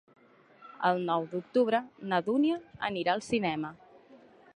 El nou d'octubre na Dúnia anirà al cinema.